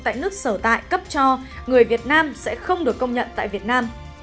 tại nước sở tại cấp cho người việt nam sẽ không được công nhận tại việt nam